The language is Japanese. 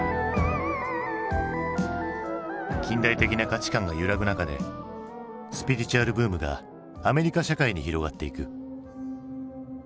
近代的な価値観が揺らぐ中でスピリチュアルブームがアメリカ社会に広がっていく。